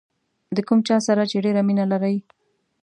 د کوم چا سره چې ډېره مینه لرئ.